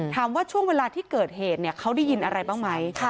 ถามว่าช่วงเวลาที่เกิดเหตุเขาได้ยินอะไรบ้างไหม